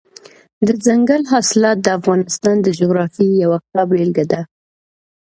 دځنګل حاصلات د افغانستان د جغرافیې یوه ښه بېلګه ده.